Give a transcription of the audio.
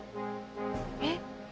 えっ？